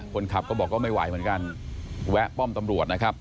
คนขับก็บอกก็ไม่ไหวเหมือนกันแวะป้อมตำรวจนะครับ